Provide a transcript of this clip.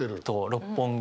六本木。